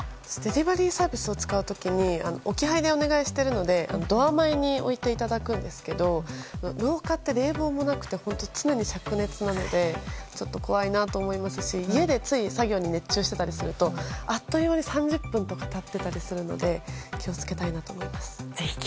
デリバリーサービスを使う時に置き配でお願いしているのでドア前に置いていただいているので廊下って冷房もなくて、常に灼熱なので怖いなと思うんですけど家でつい作業に熱中していたりするとあっという間に３０分とか経ってたりするので気を付けたいなと思います。